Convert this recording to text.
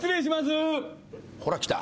ほら来た。